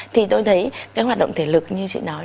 thì tôi thấy cái hoạt động thể lực như chị nói